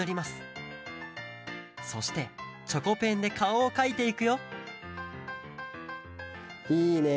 そしてチョコペンでかおをかいていくよいいね。